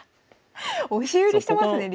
押し売りしてますね竜。